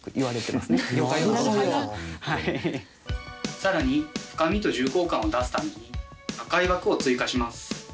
さらに深みと重厚感を出すために赤い枠を追加します。